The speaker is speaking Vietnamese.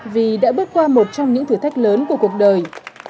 vì đã bước qua một trong những thử thách lớn của cuộc đời